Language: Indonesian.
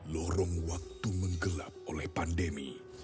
lorong waktu menggelap oleh pandemi